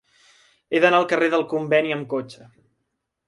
He d'anar al carrer del Conveni amb cotxe.